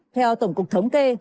theo tổng cục thống kê